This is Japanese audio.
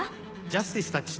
ジャスティスたち。